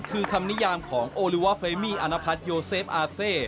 คือคำนิยามของโอลิวาเฟรมี่อนพัฒนโยเซฟอาเซ